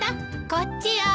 こっちよ。